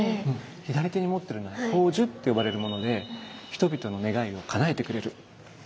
左手に持ってるのは「宝珠」って呼ばれるもので人々の願いをかなえてくれる。